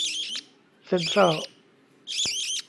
เซ็นทรัล